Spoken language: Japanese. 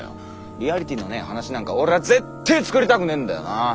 「リアリティ」のねー話なんか俺はぜってー作りたくねーんだよなぁ。